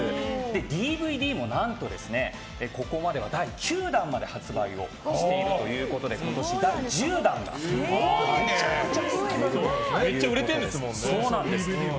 ＤＶＤも何とここまでは第９弾まで発売しているということでめっちゃ売れてるんですもんね。